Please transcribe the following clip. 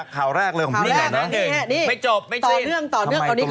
ข่าวแรกเรื่องของเรื่องหนึ่งละ